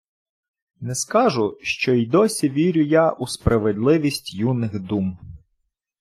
Не скажу, що й досі вірю я у справедливість юних дум